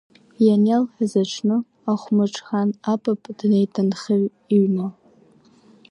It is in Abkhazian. Ианиалҳәаз аҽны, ахәмыҽхан апап днеит анхаҩ иҩны.